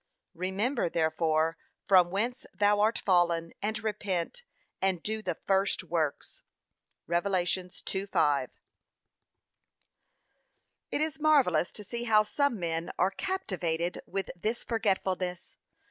'Remember therefore from whence thou art fallen, and repent, and do the first works.' (Rev. 2:5) It is marvellous to see how some men are captivated with this forgetfulness.